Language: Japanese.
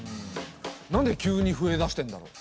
なんで急に増えだしてんだろう？